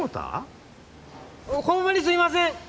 ホンマにすいません！